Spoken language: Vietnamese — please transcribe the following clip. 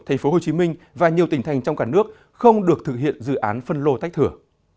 tp hcm và nhiều tỉnh thành trong cả nước không được thực hiện dự án phân lô tách thửa